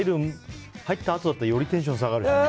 入ったあとだとよりテンション下がるし。